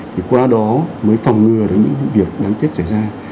thì qua đó mới phòng ngừa được những vụ việc đáng tiếc xảy ra